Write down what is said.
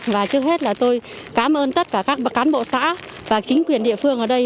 và trước hết là tôi cảm ơn tất cả các cán bộ xã và chính quyền địa phương ở đây